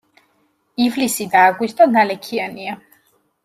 ივლისი და აგვისტო ნალექიანია.